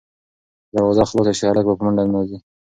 که دروازه خلاصه شي، هلک به په منډه ننوځي.